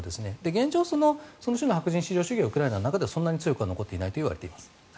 現状、その種の白人至上主義はウクライナの中でそんなに強く残っていないといわれています。